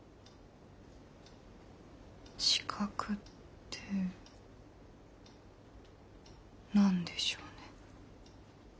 資格って何でしょうね。